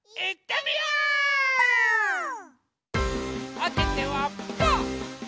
おててはパー！